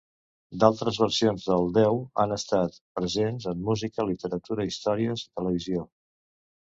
D'altres versions del déu han estat presents en música, literatura, històries i televisió.